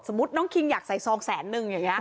น้องคิงอยากใส่ซองแสนนึงอย่างนี้